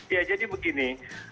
ya jadi begini